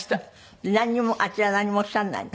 でなんにもあちらはなんにもおっしゃらないの？